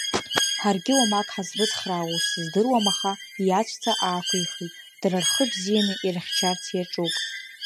Ҳаргьы уамак ҳазрыцхраауоу сыздыруам аха, иаҵәца аақәихит, дара рхы бзианы ирыхьчарц иаҿуп.